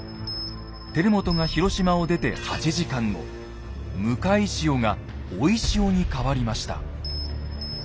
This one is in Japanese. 輝元が広島を出て８時間後向かい潮が追い潮に変わりました。